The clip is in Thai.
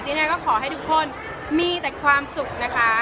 ยังไงก็ขอให้ทุกคนมีแต่ความสุขนะคะ